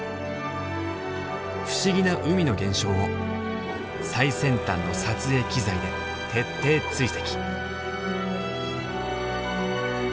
不思議な海の現象を最先端の撮影機材で徹底追跡。